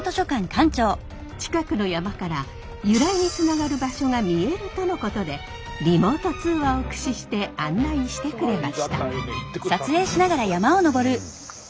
近くの山から由来につながる場所が見えるとのことでリモート通話を駆使して案内してくれました。